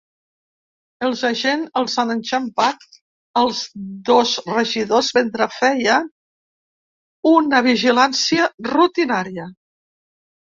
Els agents els han enxampat els dos regidors mentre feien una vigilància rutinària.